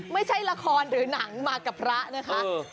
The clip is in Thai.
ไม่ใช่ละครหรือหนังมากับพระนะคะ